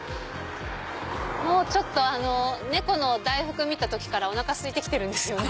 もうちょっとあの猫の大福見た時からおなかすいてきてるんですよね。